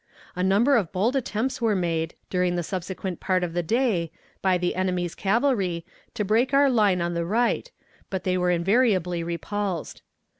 A number of bold attempts were made, during the subsequent part of the day, by the enemy's cavalry, to break our line on the right, but they were invariably repulsed.